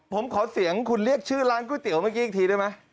ผมขอเสียงคุณเรียกชื่อร้านก๋วยเตี๋ยวเมื่อกี้อีกทีได้ไหม